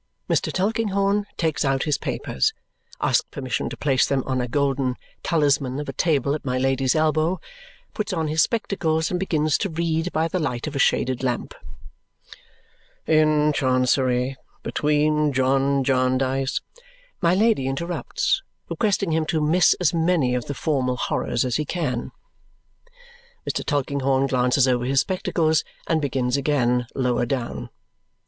Mr. Tulkinghorn takes out his papers, asks permission to place them on a golden talisman of a table at my Lady's elbow, puts on his spectacles, and begins to read by the light of a shaded lamp. "'In Chancery. Between John Jarndyce '" My Lady interrupts, requesting him to miss as many of the formal horrors as he can. Mr. Tulkinghorn glances over his spectacles and begins again lower down.